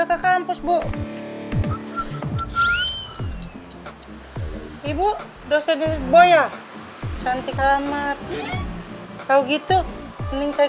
hai udah ke kampus bu ibu dosen boya cantik amat kau gitu mending saya